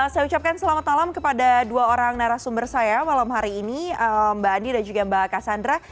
saya ucapkan selamat malam kepada dua orang narasumber saya malam hari ini mbak andi dan juga mbak cassandra